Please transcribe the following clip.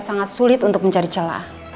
sangat sulit untuk mencari celah